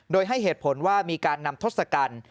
โดยให้เหตุผลว่ามีการนำทศกัณฐ์